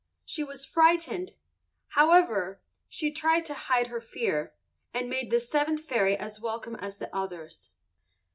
She was frightened. However, she tried to hide her fear, and made the seventh fairy as welcome as the others.